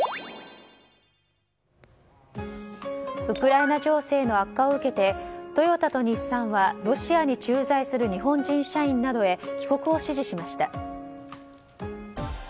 ウクライナ情勢の悪化を受けてトヨタと日産はロシアに駐在する日本人社員などへ帰国を指示しました。